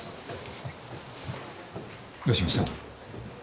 どうしました？